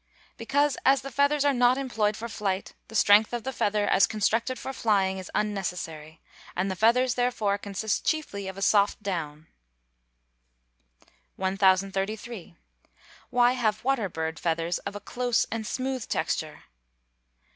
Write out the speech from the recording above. _ Because, as the feathers are not employed for flight, the strength of the feather as constructed for flying is unnecessary, and the feathers therefore consist chiefly of a soft down. 1033. _Why have water birds feathers of a close and smooth texture?